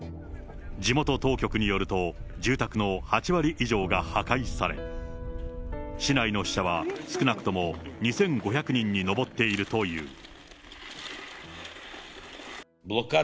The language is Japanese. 地元当局によると、住宅の８割以上が破壊され、市内の死者は少なくとも２５００人に上っているという。